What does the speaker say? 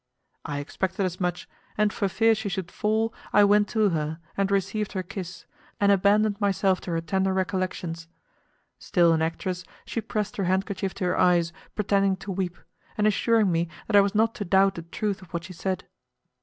I expected as much, and, for fear she should fall, I went to her, received her kiss, and abandoned myself to her tender recollections. Still an actress, she pressed her handkerchief to her eyes, pretending to weep, and assuring me that I was not to doubt the truth of what she said.